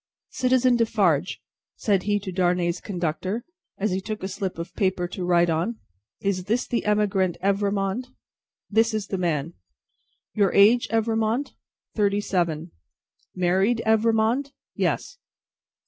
"Citizen Defarge," said he to Darnay's conductor, as he took a slip of paper to write on. "Is this the emigrant Evrémonde?" "This is the man." "Your age, Evrémonde?" "Thirty seven." "Married, Evrémonde?" "Yes."